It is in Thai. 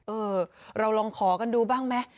เออเราลองขอกันดูบ้างไหม